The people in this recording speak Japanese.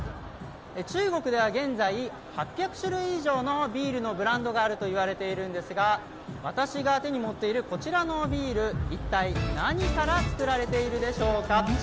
中国では現在、８００種類以上のビールのブランドがあるといわれているんですが私が手に持っているこちらのビール、プシュ！